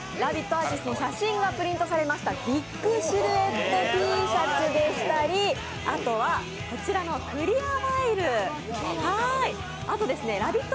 アーティストの写真がプリントされました、ビッグシルエットＴシャツでしたりあとはこちらのクリアファイル、あとラヴィット！